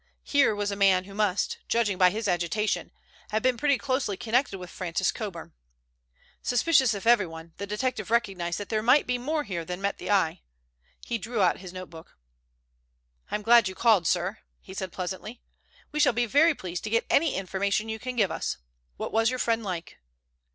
Here was a man who must, judging by his agitation, have been pretty closely connected with Francis Coburn. Suspicious of everyone, the detective recognized that there might be more here than met the eye. He drew out his notebook. "I am glad you called, sir," he said pleasantly. "We shall be very pleased to get any information you can give us. What was your friend like?"